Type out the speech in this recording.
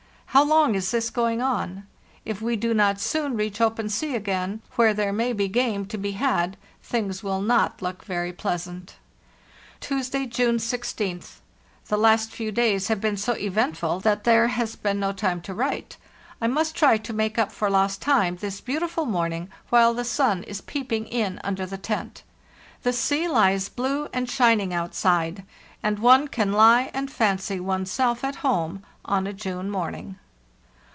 How long is this going on? If we do not soon reach open sea again, where there may be game to be had, things will not look very pleasant. "Tuesday, June 16th. The last few days have been so eventful that there has been no time to write. I must try to make up for lost time this beautiful morning, while the sun is peeping in under the tent. The sea hes blue and shining outside, and one can lie and fancy one's self at home on a June morning."